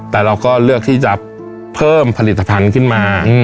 แต่เราก็เลือกที่จะเพิ่มผลิตภัณฑ์ขึ้นมา